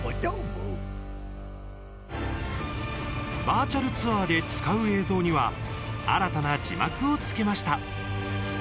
バーチャルツアーで使う映像には新たな字幕をつけました。